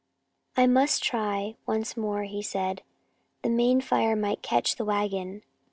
"I must try once more," he said. "The main fire might catch the wagon."